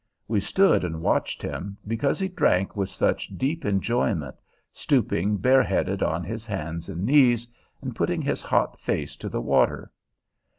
We stood and watched him, because he drank with such deep enjoyment, stooping bareheaded on his hands and knees, and putting his hot face to the water.